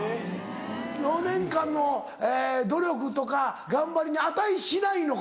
４年間の努力とか頑張りに値しないのかな？